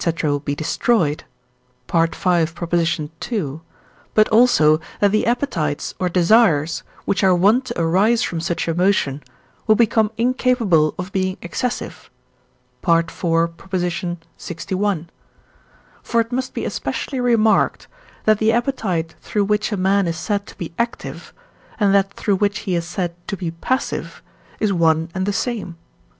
will be destroyed (V. ii.), but also that the appetites or desires, which are wont to arise from such emotion, will become incapable of being excessive (IV. lxi.). For it must be especially remarked, that the appetite through which a man is said to be active, and that through which he is said to be passive is one and the same.